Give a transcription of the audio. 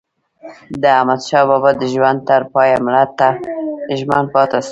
احمدشاه بابا د ژوند تر پایه ملت ته ژمن پاته سو.